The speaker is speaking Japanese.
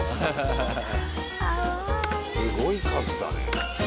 すごい数だね。